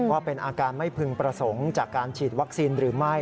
ว่าเป็นอาการไม่พึงประสงค์จากการฉีดวัคซีนหรือไม่